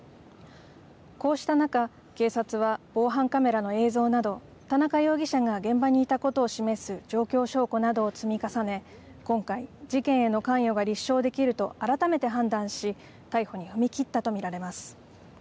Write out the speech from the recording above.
こうした中、警察は防犯カメラの映像など田中容疑者が現場にいたことを示す状況証拠などを積み重ね、今回、事件への関与が立証できると改めて判断し逮捕に踏み切ったと見られます。